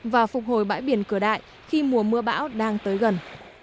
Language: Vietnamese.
và phục hồi bãi biển cửa đại khi mùa mưa bão đang tới gần